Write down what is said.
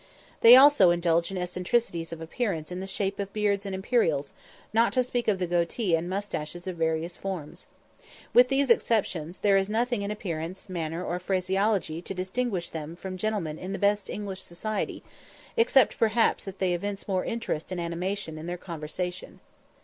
They also indulge in eccentricities of appearance in the shape of beards and imperials, not to speak of the "goatee" and moustaches of various forms. With these exceptions, there is nothing in appearance, manner, or phraseology to distinguish them from gentlemen in the best English society, except perhaps that they evince more interest and animation in their conversation.